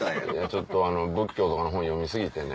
ちょっと仏教とかの本読み過ぎてね。